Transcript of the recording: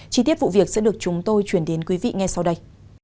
chi tiết vụ việc sẽ được chúng tôi chuyển đến quý vị ngay sau đây